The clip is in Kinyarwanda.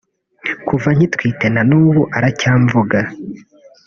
kuva nkitwite na n’ubu aracyamvuga